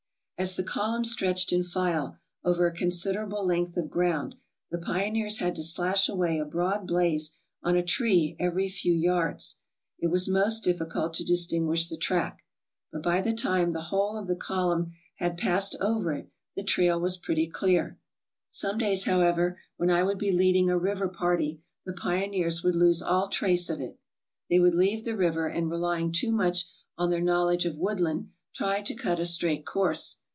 As the column stretched in file over a considerable length of ground the pioneers had to slash away a broad blaze on a tree every few yards. It was most difficult to distinguish the track. But by the time the whole of the column had passed over it the trail was pretty clear. Some days, however, when I would be leading a river party, the pioneers would lose all trace of it. They would leave the river and relying too much on their knowledge of woodland, try to cut a straight course.